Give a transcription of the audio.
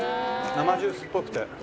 生ジュースっぽくて。